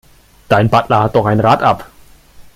Dein Butler hat doch ein Rad ab.